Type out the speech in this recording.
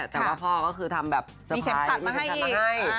แต่ว่าพ่อก็คือทำแบบเซอร์ไพรส์มหันมาให้